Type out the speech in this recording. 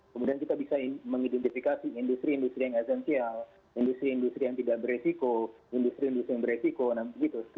kemudian kita bisa mengidentifikasi industri industri yang esensial industri industri yang tidak beresiko industri industri yang beresiko nanti begitu